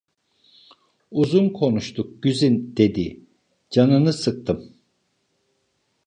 "Uzun konuştuk, Güzin!" dedi, "Canını sıktım."